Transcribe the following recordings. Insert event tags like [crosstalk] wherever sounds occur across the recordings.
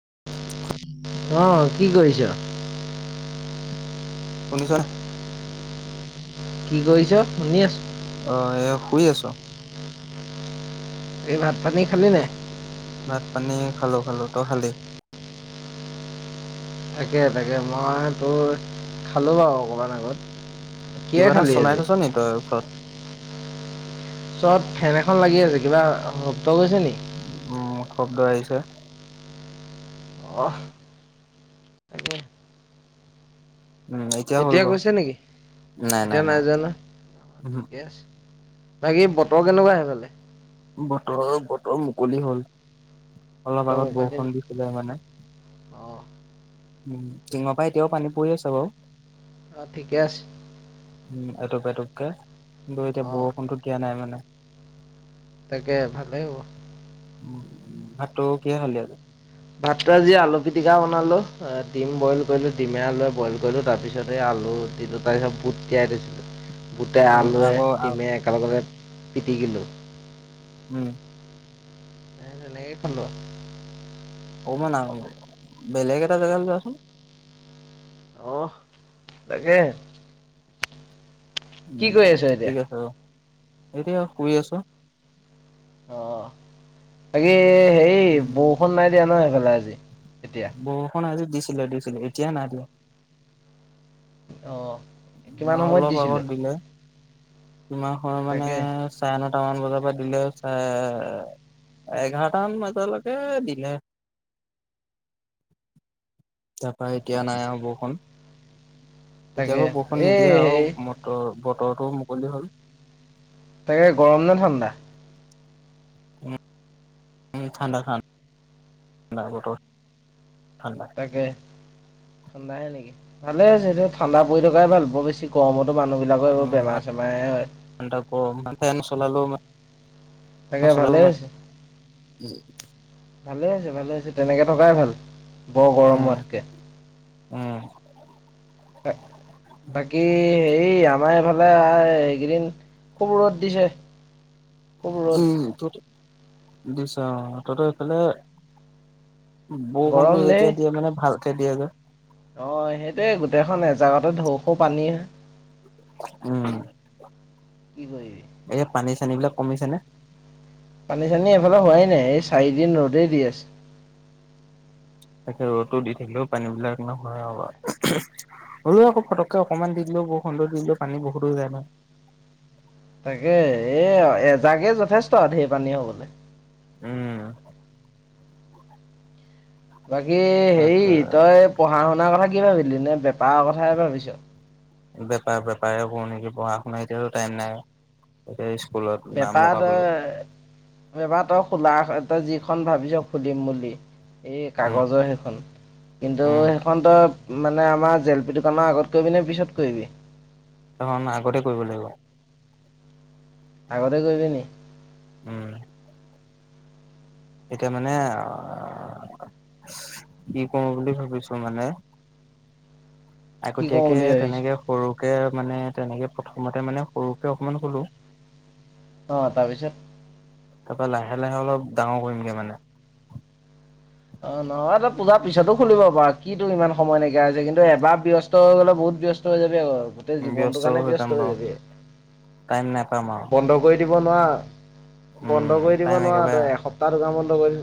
[unintelligible] অহ কি কৰিছ? শুনিছ নে কি কৰিছ, শুনি আছো। অ এ শুই আছো। এই ভাত পানী খালি নাই। ভাত পানী খালো খালো। তই খালি? তাকে তাকে মই তোৰ খালো বাৱ অকমান আগত। কিহে কিবা এটা খালি চলাই আজি? থৈছ নি তই ওচৰত? ওচত ফেন এখন লাগি আছে কিবা গৈছে নি? উম শব্দ আহিছে। অহ। তাকে। উম, হ'ল এতিয়া বাৰু। গৈছে নেকি এতিয়া নাই যোৱা ন? ঠিকে আছে। বাকী বতৰ কেনেকোৱা সেফালে? বতৰ বতৰ মুকলি হ'ল। অলপ বতৰ আগত মুকলি নি? বৰষুণ দিছিলে মানে। অ', উ টিঙৰ পৰা এতিয়াও পানী পৰি আছে বাও। অ ঠিকে আছে। উম এটুপ এটুপকে বৈ এতিয়া অ', বৰষুণটো দিয়া নাই মানে। তাকে ভালেই হ'ব। উ ভাতটো কিহে খালি আজি? ভাতটো আজি আলু পিটিকা বনালো ডিম বইল কৰিলো ডিমে আলুৱে বইল কৰিলো তাৰ পিছতে আলু তি দু তাৰ পিছত বুট তিয়াই থৈছিলো। বুটে, উম, আলুৱে, আগৰ ডিমে একেলগতে পিটিকিলো। উম। তেনেকে খালো আও অ মান বেলেগ এটা জেগালে যোৱাচোন। অহ তাকে। কি উম কৰি আছ এতিয়া? ঠিক আছে। এতিয়া শুই আছো। অ তাকে সেই উম। বৰষুণ নাই দিয়া ন সেইফালে আজি এতিয়া। বৰষুণ আজি দিছিলে দিছিল এতিয়া নাই দিয়া। অ'। কিমান আমা সময়ত অলপ দিছিলে? আগত দিলে। কিমান সময় মানে তাকে, চাই ন আঠটামান বজাৰ পা দিলে চাই এঘাৰটামান বাজি টালৈকে দিলে। তাপা এতিয়া নাই আও বৰষুণ। তাকে কেতিয়াবা বৰষুণ এই নিদিয়ে আউ হেৰি মটৰ বতৰটো মুকলি হ'ল। তাকে গৰম নে ঠাণ্ডা? উম ঠাণ্ডা ঠা ণ্ডা বতৰ। ঠাণ্ডা তাকে ঠাণ্ডাহে নেকি। ভালে হৈছে ডিউক ঠাণ্ডা পৰি থকাই ভাল। বৰ বেছি গৰমত মানুহিলাকৰ এইবোৰ ইমান বেমাৰ চেমাৰে হয়। ঠাণ্ডা গৰম ফেন চলালেও তাকে ভালে হৈছে [unintelligible] ভালে হৈছে ভালে হৈছে। তেনেকে থকাই ভাল। বৰ গৰম হোৱাতকে। উম। এ। বাকী হেই আমাৰ এইফালে এইকেইদিন খুব ৰদ দিছে। খুব ৰ'দ উম ত দিছে অ তত এইফালে বৰষুণটো গৰম দেই যেতিয়া দিয়ে মানে ভালকে দিয়ে যে। অ সেইটোয়ে গোটেইখন এজাগতে ঢৌ খৌ পানী। উম। কি কৈ এতিয়া পানী চানী বিলাক কমিছে নে পানী চানী এফালে হোৱাই নাই এই চাৰিদিন ৰ'দেই দি আছে তাকে ৰ'দো দি থাকিলেও পানী বিলাক খ আৰু ৰ আকৌ পটককে অকণমান দি দিলো বৌখুন টো দিলে পানী বহু দূ যায় না তাকে এ এজাগে যথেষ্ট ঢেৰ পানী হবলে উম বাকী হেই তাকে তই পঢ়া শুনাৰ কথা কি ভাবিলি নে বেপাঅ কথাই ভাবিছ বেপাৰ বেপাৰে কও নেকি পঢ়া শুনা এতিয়া টাইম নাই এতিয়া ইচ বেপাৰ তই বেপাৰ তই খোলা তই যিখন ভাবিছ খুলিম বুলি এই উম কাগজৰ সেইখন কিন্তু উম সেইখনতো মানে আমাৰ জলপি দোকানৰ আগত কৰিবি নে পিছত কইবি সেখন আগতে কৰিব লাগিব আগতে কৰিবি নি উম এতিয়া মানে আ কি কও বুলি ভাবিছো মানে কি কৰো আগতিয়াকে বুলি ভাবিছ? তেনেকে সৰু কে মানে তেনেকে প্ৰথমতে মানে সৰুকে অকমান খোলো অ তাৰপিছত তাৰপা লাহে লাহে অলপ ডাঙৰ কৰিমগে মানে অ নহয় তই পূজাৰ পিছতো খুলিব পাৰ কি তটো ইমান সময় নাইকিয়া হৈছে কিন্তু এবাৰ ব্যস্ত হৈ গ'লে বহুত ব্যস্ত হৈ যাবি আক গোটেই জীৱনটো কাৰণে ব্যস্ত হৈ যাবি টাইম নাপাম আৰু বন্ধ কৰি দিব নুৱা উম বন্ধ কৰি দিব টাইম নোৱাৰা একেবাৰে তই এসপ্তাহ দোকান বন্ধ কৰি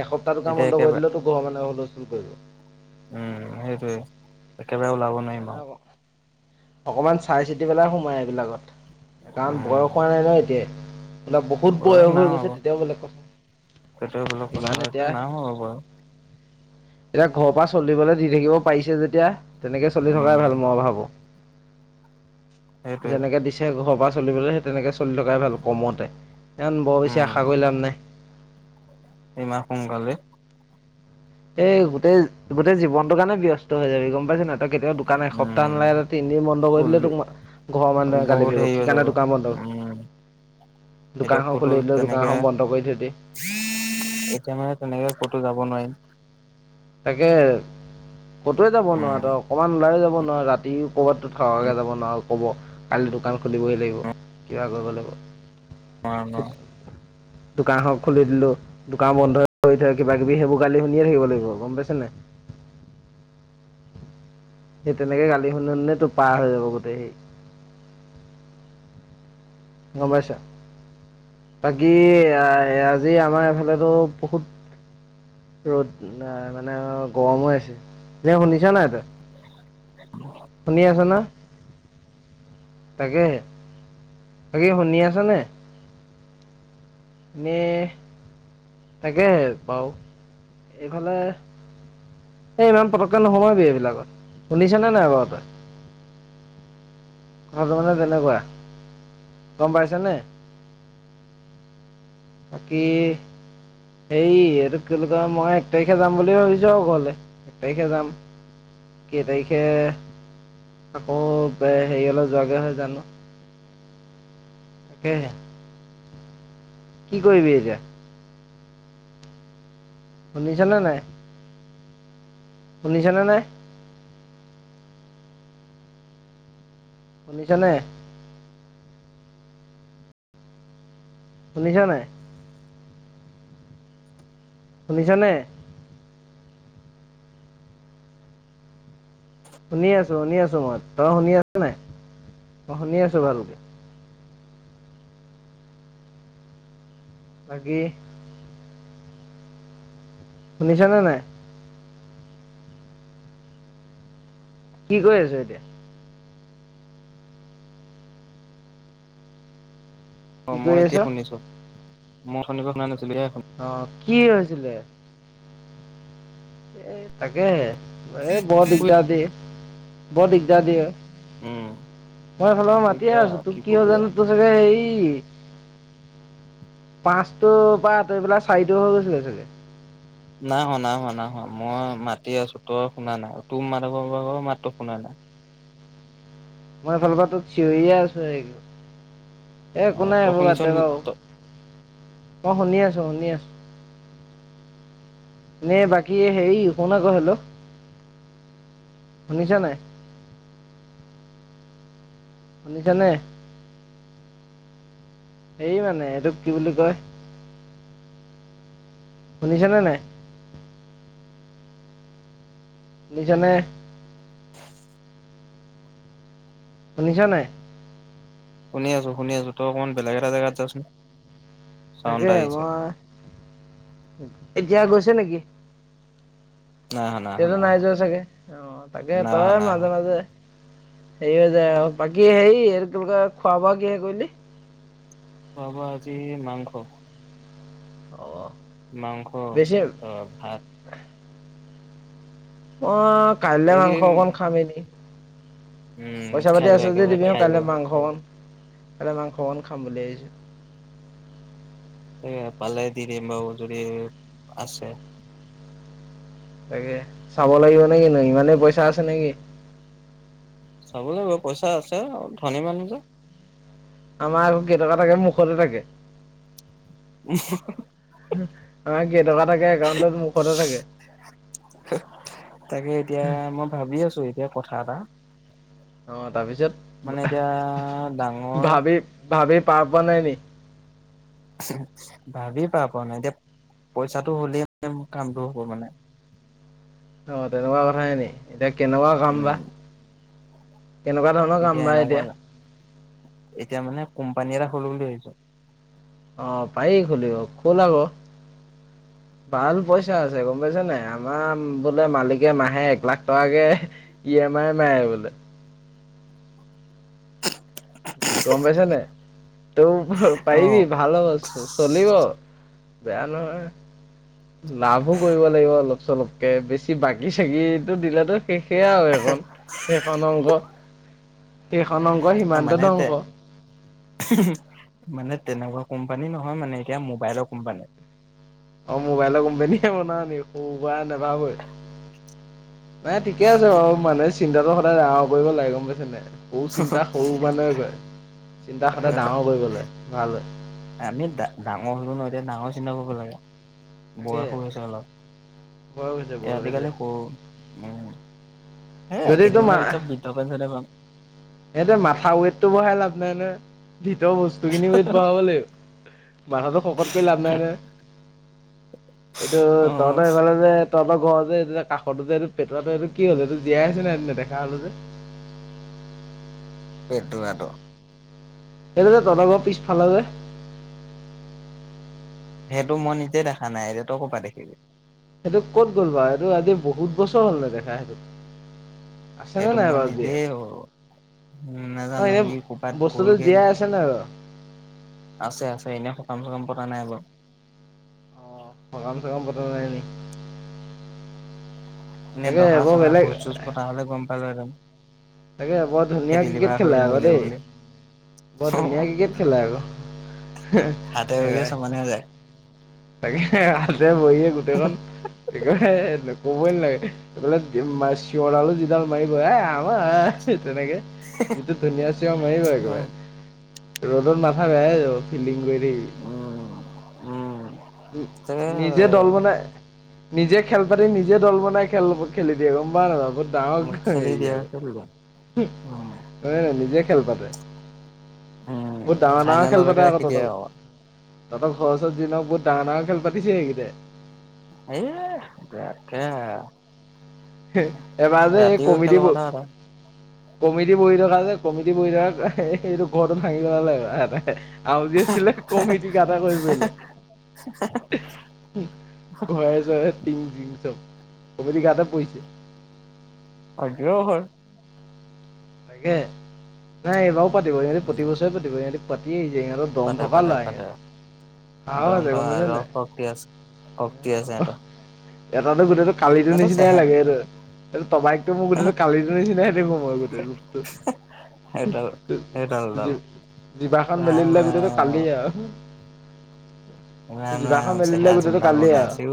এসপ্তাহটো কামত এতিয়া লগাই একেবাৰে দিলেতো গৰ মানে হুলস্থল কৰিব উম সেইটোয়ে একেবাৰে ওলাব নোৱাৰিম আৰু সেইকাৰণে ক অকমান চাই চিতি পেলাই সোমাই এইবিলাকত কাৰণ বয়স হোৱা উম, নাই ন এতিয় এইলাক বহুত বয়স হৈ গৈছে তেতিয়াও বেলেগ কথা সেইটোয়ে বোলো কথা ইমান এতিয়া এই নাই হোৱা বাউ এতিয়া ঘৰ পা চলিবলে দি থাকিব পাৰিছে যেতিয়া তেনেকে চলি থকাই ভাল উম, মই ভাবো সেইটোৱে যেনেকে দিছে ঘৰৰ পৰা চলিবলে সেই তেনেকে চলি থকাই ভাল কমতে বৰ বেছি আশা কৰি লাভ নাই এইমাহ সোনকালে এই গোটেই গোটেই জীৱনটো কাৰণে ব্যস্ত হৈ যাবি গম পাইছ নাই তই কেতিয়াবা দোকান এসপ্তাহ নালাগে উম, তই তিনদিন বন্ধ কৰি দিলেও ফুললি তোক ঘৰৰ মানুহে গালি বহুত দিব হেৰি কি হৈ যাব। কাৰণে দোকান বন্ধ কৰিলি উম এতিয়া কটো খুলি দিলোঁ তেনেকে দোকানখন বন্ধ কৰি থৈ দিয়ে এতিয়া মানে তেনেকে ক'তো যাব নোৱাৰিম। তাকে কটোৱে যাব উম, নোৱাৱ তই অকমান ওলাই যাব নোৱাৰ ৰাতি ক'বাততো থাকাকে যাব নোৱাৰ কব কাইলৈ দোকান খুলিবই লাগিব কিবা কৰিব লাগিব। নোৱাৰো নোৱাৰো দোকান হক খুলি দিলো দোকান বন্ধ হৈ থয় কিবা কিবি সেইবোৰ গালি শুনিয়ে থাকিব লাগিব। গম পাইছা নাই সেই তেনেকে গালি শুনি শুনি তোৰ পাৰ হৈ যাব গোতেই সেই। গম পাইছা বাকী আ আ আজি আমাৰ এফালে টো বহুত ৰ'দ না মানে গৰম হৈ আছে এ শুনিছ নাই তই [unintelligible] শুনি আছ না তাকে তাকে শুনি আছ নে? এনেই তাকে পাওঁ এইফালে এ ইমান পতককৈ নোসোমাবি এইবিলাকত শুনিছ নে নাই বাৰু তই কথাটো মানে তেনেকুৱা গম পাইছে নে বাকী সেই এইটো কি বুলি কয় মই এক তাৰিখে যাম বুলি ভাবিছো আৰু ঘৰলে এক তাৰিখে যাম। কেই তাৰিখে আকৌ হেৰি হলে যোৱাগে হয় জানো তাকেহে কি কৰিবি এতিয়া? শুনিছনে নাই? শুনিছনে নাই? শুনিছনে শুনিছ নাই? শুনিছ নে? শুনি আছো শুনি আছো মই তই শুনি আছ নাই অই শুনি আছো ভালকৈ বাকী শুনিছানে নাই? কি কৰি আছ এতিয়া? অ কি কৰি মই আছ এতিয়া শুনিছো। মই অথনি শুনা নাছিলো এয়া শু- অ কি হৈছিলে? এ তাকেহে এই বৰ দিগদাৰ দিয়ে বৰ দিগদাৰ দিয়ে। উম, মই এফালৰ মাতিয়ে দিগদাৰ আছো আৰু তোক কি হয় কবি আৰু। জানো তোৰ চাগে হেৰি পাঁচটো পৰা আতৰি পেলাই চাৰিটো হৈ গৈছিলে চাগে। নাই হোনা নাই হোৱা না হোৱা মই মাতি আছো তোৰ শুনা নাই তোৰ মাত পৰা মাতো শুনা নাই। মই এইফালৰ পৰা তোক চিঞৰিয়ে আছো এক- এই একো অ', নাই তই এইবোৰ শুনিছ বাদ দে বাৰু নি অ শুনি আছোঁ শুনি আছোঁ। নে বাকী হেৰি শুনা আকৌ হেল্লো শুনিছা নাই? শুনিছা নে? এই মানে এইটোক কি বুলি কয় শুনিছেনে নাই? শুনিছা নে? শুনিছা নাই? শুনি আছো শুনি আছো তই অকমান বেলেগ এটা জেগাত যাচোন। চাউণ্ড তাকে এটা আহিছে মই এতিয়া গৈছে নেকি নাই অহা এতিয়া অহা টো অহা নাই যোৱা চাগে অ তাকে নাই অহা তই নাই অহা মাজে মাজে সেই যে বাকী এইটো কি বুলি কয় খোৱা বোৱা কিহে কৰিলি। খোৱা বোৱা আজি মাংস অ মাংস বেছি অ ভাত অ কাইলে মাংস এইকেইদিন অকন খামহি নেকি উম পইচা পাতি খাই ল আছে যদি একেবাৰে দিবি অ খাই ল কাইলৈ মাংস কন কাইলে মাংস অকন খাম বুলি আহিছো তাকে পালে দি দিম বাৰু যদি আছে তাকে চাব লাগিব নে কিনো ইমানেই পইচা আছে নেকি ল'ব লাগিব পইচা আছে আৰু ধনী মানুহ যে আমাৰ আকৌ কেইটকা থাকে মুখতে থাকে [unintelligible] আমাৰ কেইটকা থাকে একাউন্টত মুখতে থাকে তাকে এতিয়া মই ভাবি আছো এতিয়া কথা এটা অ তাৰপিছত মানে এতিয়া ডাঙৰ ভাবি ভাবি পাৰ পোৱা নাই নি। ভাবি পাৰ পোৱা নাই এতিয়া। পইচাটো হ'লে মানে মোৰ কামটো হ'ব মানে। অ তেনেকোৱা কথাহে নি এতিয়া কেনেকোৱা কাম উম বা। কেনেকোৱা ধৰণৰ কাম বা এতিয়া। এতিয়া মানে কোম্পানী এটা খোলো বুলি ভাবিছো। অ পাৰি খুলিব খুল আক। [unintelligible] ভাল পইচা আছে গম পাইছ নাই আমাৰ বোলে মালিকে মাহে এক লাখ টকাকে দিয় মায়ে মাৱে বোলে। গম পাইছ নে তই অ পাৰিবি ভাল হ'ব চলিব। বেয়া নহয়। লাভো কৰিব লাগিব অলপ চলপকে বেছি বাকি চাকীতো দিলেতো শেষে আও সেখন সেইখন অংক সেইখন অংক সিমানতে ধ্বং [inaudible] মানে তেনেকোৱা কোম্পানী নহয় মানে এতিয়া মোবাইলৰ কোম্পানী। অ মোবাইলৰ কোম্পানীয়ে বনা নি সু বাই নোপাবই নাই ঠিকে আছে বাৰু মানে চিন্তাটো সদায় ডাঙৰ কৰিব লাগে গম পাইছ নাই। সৰু চিন্তা সৰু মানুহে কৰে। আমি ডাঙৰ হলো ন এতিয়া ডাঙৰ চিন্তা কৰিব লাগে তাকে বয়সো হৈছে অলপ। বয়স হৈছে এ বয়স হৈছে আজিকালি সৰু উম সেই যদি কেইদিনমানৰ পিছত বৃদ্ধ পেঞ্চনে পাম। এইটো মাথা ৱেতটো বহাই লাভ নাই নহয়। ভিত বস্তুখিনি উৱেত বহাব লাগিব মাথাটো শকত কৰি লাভ নাই ন। এইটো অ তহতে এইফাল যে তহতৰ ঘৰ যে এই কাষতো যে এইটো পেটোৱাতো এইটো কি হল এইটো জীয়াই আছে নাই নেদেখা হলো যে। [inaudible] পেটোৱাতো এনে যে তহত ঘৰ পিছফাল যে। সেইটো মই নিজে দেখা নাই এতিয়া তই ক'ৰ পৰা দেখিবি। সেইটো ক'ত গ'ল বাৰু সেটো আজি বহুত বছৰ হ'ল ন দেখা সেইটোক। আছেনে সেইটো নাই মই বাও জীয়াই। নিজেই উম অ নাজানো এনে ই ক'ৰবাত বস্তুটো গ'লগে নি জীয়াই আছে নাই বাৰু। আছে আছে এনেই সকাম চকাম পতা নাই বাৰু। অ স কাম চ কাম পত নাই ন। এনে দহা চহা ভোজ চোজ পঠা হ'লে গম পালো একদম। তাকে বৰ ধুনীয়া ক্ৰিকেট হৈ খেলে আক মৰিলে দেই বুলি বৰ ধুনীয়া ক্ৰিকেট খেলে আকৌ। হাতে ভৰিয়ে সমান হৈযায়। তাকে হাতে ভৰিয়ে গোটেইখন। ক'বই নালাগে এইফলে চিঞডালো যিডাল মাৰিব। তেনেকে যিটো ধুনীয়া চিঞ মাৰিব একেবাৰে। ৰ'দত মাথথা আৰু ফিল্ডিং কৰি উম থাকিবি। উম। উ তাকে নিজে দল বনাই। নিজে খেল পাতি নিজে দল বনাই খেল খেলি দিয়ে গম প নাইাব। বহুত ডাঙৰ খেলি হেৰি দিয়া আৰু খেলি দিয়া ন উম ন নিজে খেল পাতে। উম উট ফাইনেললৈকে নালপতাইাৰ ৰাখি তো। দিয়ে আৰু তহতৰওচৰত যদিক বহুত ডাঙৰ ডাৰ খেল পাতিছে সেইকেইটাই। এই তাকেহে। এবাৰ যে এই কমিটি ব। এটা কমিটি বহি থকা যে কমিটি বহি থকা এইটো ঘৰটো ভাঙি পেলালে লৰা এটাই। আউজ আছিলে কমিটি কাটা কৰিবলে। ঘৰে চৰে টিং জিং চব কমিটী গাতে পৰিছে। তাকে হয়। তাকে নাই এইবাৰো পাতিব ইহঁ প্ৰতি বছৰে পাতিব ইহঁতি পাতি। সিহঁতৰ দম পাতে থকা পাতে ল'ৰা পাতে সিহঁতি। সাহস দম আছে ধম গম পাইছা নাই আৰুস শক্তি আছে শক্তি। আছে এটা। এটাতো গোটেইটো কালিটো নিচিনাই লাগেটো। তমাইকতো মোৰ গোটেইো কালিৰ নিচিনাই দেখো মই গোটেই ৰূপটো। সেইডাল সেইডাল ডাল জিভাখন মেলি ৰাম দিলে গোটেইটো কালি ৰাম আৰু। নাই জিভাখন ন মেলি দিলে চেহেৰা গোটেইটো জোনডাল কালি বনাই আৰু। আছে।